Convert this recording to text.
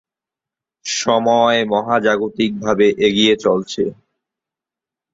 এদের বেশীর ভাগ কানাডার নাগরিক অথবা স্থায়ী বসবাসকারী।